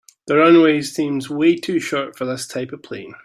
The runway seems way to short for this type of plane.